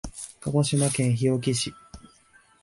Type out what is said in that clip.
鹿児島県日置市